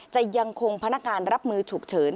จะยังคงพนักการรับมือฉุกเฉิน